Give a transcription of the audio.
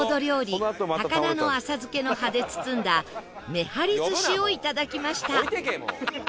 高菜の浅漬けの葉で包んだめはり寿司をいただきました